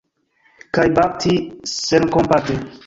Kaj bati senkompate!